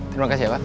terima kasih ya pak